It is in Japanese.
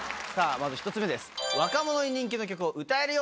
まず１つ目です。